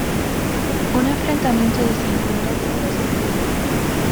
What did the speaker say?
Un enfrentamiento de cinco horas luego se produjo.